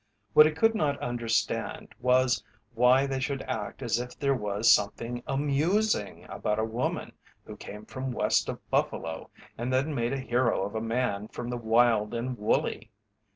What he could not understand was why they should act as if there was something amusing about a woman who came from west of Buffalo and then make a hero of a man from the Wild and Woolly.